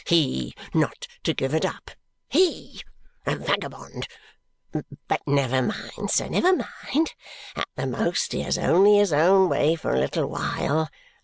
He, not to give it up! HE! A vagabond! But never mind, sir, never mind. At the most, he has only his own way for a little while.